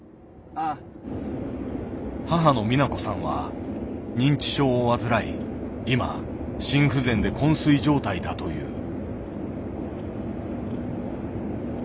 母の美奈子さんは認知症を患い今心不全で昏睡状態だという。